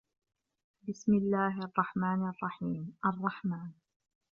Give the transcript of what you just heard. بسم الله الرحمن الرحيم الرحمن